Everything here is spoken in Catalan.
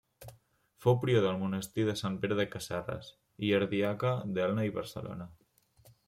Fou prior del monestir de Sant Pere de Casserres i ardiaca d'Elna i Barcelona.